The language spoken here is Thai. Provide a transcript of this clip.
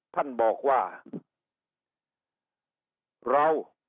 ท่านบอกว่า